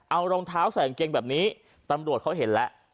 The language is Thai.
เอารองเท้าใส่กางเกงแบบนี้ตำรวจเขาเห็นแล้ว